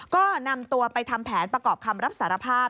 ก็นำตัวไปทำแผนประกอบคำรับสารภาพ